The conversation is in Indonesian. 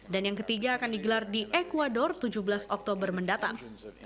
dan yang ketiga akan digelar di ecuador tujuh belas oktober mendatang